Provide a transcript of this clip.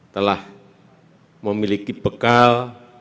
telah memiliki bekal